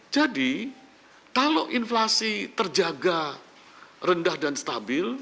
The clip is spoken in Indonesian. jadi kalau inflasi terjaga rendah dan stabil